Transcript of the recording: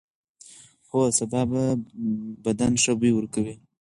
هو، سابه بدن ښه بوی ورکوي.